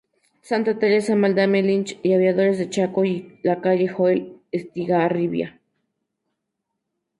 Santa Teresa, Madame Lynch y Aviadores del Chaco, y la calle Joel Estigarribia.